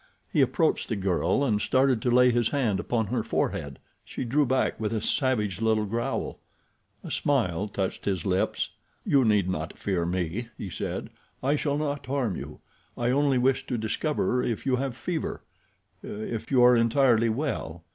He approached the girl and started to lay his hand upon her forehead. She drew back with a savage little growl. A smile touched his lips. "You need not fear me," he said. "I shall not harm you. I only wish to discover if you have fever—if you are entirely well.